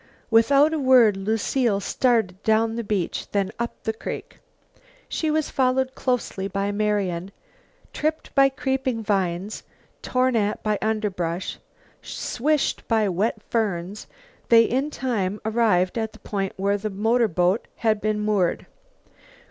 Without a word Lucile started down the beach, then up the creek. She was followed close by Marian. Tripped by creeping vines, torn at by underbrush, swished by wet ferns, they in time arrived at the point where the motorboat had been moored.